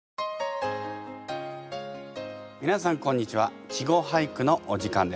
みなさんこんにちは「稚語俳句」のお時間です。